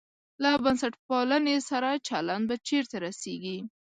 له بنسټپالنې سره چلند به چېرته رسېږي.